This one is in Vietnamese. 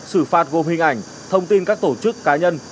xử phạt gồm hình ảnh thông tin các tổ chức cá nhân